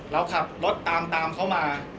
เราขับรถตามตามเขามา